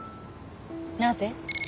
なぜ？